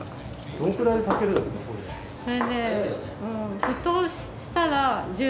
どのくらいで炊けるんですか？かな？